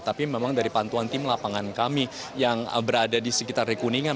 tapi memang dari pantuan tim lapangan kami yang berada di sekitar rekuningan